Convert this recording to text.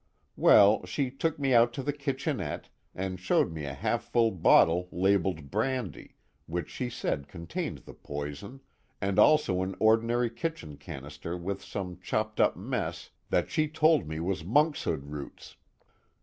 Well, she took me out to the kitchenette, and showed me a half full bottle labeled brandy, which she said contained the poison, and also an ordinary kitchen canister with some chopped up mess that she told me was monkshood roots.